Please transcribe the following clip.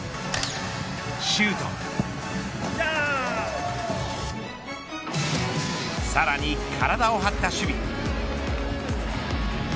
シュートさらに体を張った守備。